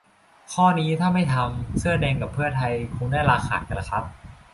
ข้อนี้ถ้าไม่ทำ เสื้อแดงกับเพื่อไทย คงได้ลาขาดกันล่ะครับ